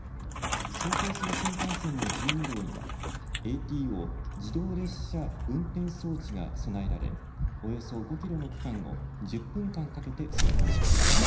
走行する新幹線の１２両にはＡＴＯ・自動列車運転装置が備えられおよそ５キロの区間を１０分間かけて走行しました。